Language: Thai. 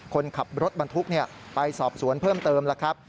คนขับรถบรรทุกไปสอบสวนเพิ่มเติมแล้วครับ